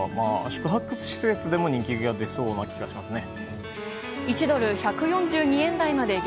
宿泊施設でも人気が出そうな気がしますね。